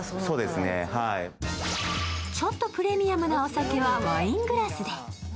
ちょっとプレミアムなお酒はワイングラスで。